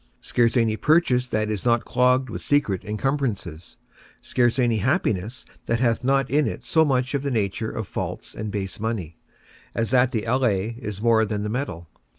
Scarce any purchase that is not clogged with secret incumbrances; scarce any happiness that hath not in it so much of the nature of false and base money, as that the allay is more than the metal.